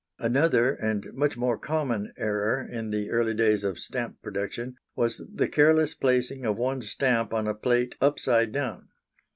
Another and much more common error in the early days of stamp production was the careless placing of one stamp on a plate upside down.